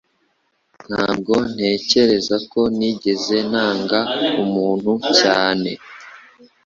Ntabwo ntekereza ko nigeze nanga umuntu cyane.